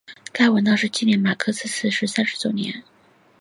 该文章是为了纪念马克思逝世三十周年。